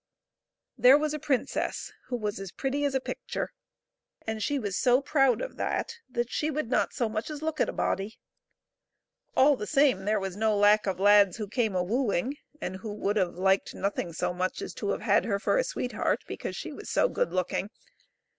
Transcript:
HERE was a princess who was as pretty as a picture, and she was so proud of that that she would not so much as look at a body; all the same, there was no lack of lads who came a wooing, and who would have liked nothing so much as to have had her for a sweetheart because she was so good looking.